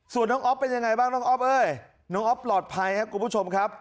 ส่วนน้องอ๊อฟเป็นยังไงบ้างน้องอ๊อฟเอ้ยน้องอ๊อฟปลอดภัยครับคุณผู้ชมครับ